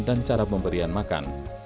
dan cara pemberian makan